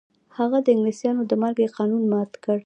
هغه د انګلیسانو د مالګې قانون مات کړ.